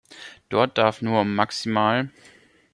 Dort darf nur um max.